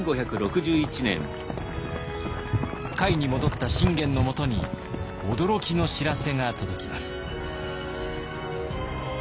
甲斐に戻った信玄のもとに驚きの知らせが届きます。